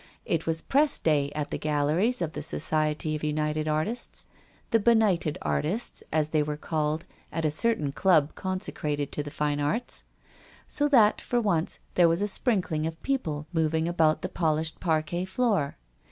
It was press day at the galleries of the Society of United Artists — the Benighted Artists, as they were called at a certain club consecrated to the fine arts — so that, for once, there was a sprinkling of people moving about the pol ished parquet floor.